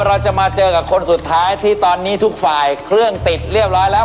เราจะมาเจอกับคนสุดท้ายที่ตอนนี้ทุกฝ่ายเครื่องติดเรียบร้อยแล้ว